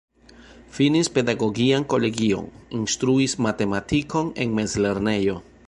Finis pedagogian kolegion, instruis matematikon en mezlernejo.